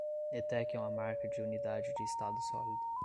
Netek é uma marca de unidade de estado sólido